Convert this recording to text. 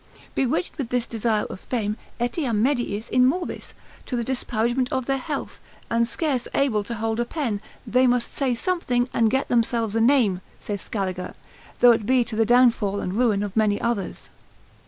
Bewitched with this desire of fame, etiam mediis in morbis, to the disparagement of their health, and scarce able to hold a pen, they must say something, and get themselves a name, saith Scaliger, though it be to the downfall and ruin of many others.